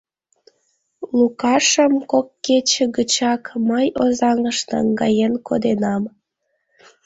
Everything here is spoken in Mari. Лукашым кок кече гычак мый Озаҥыш наҥгаен коденам...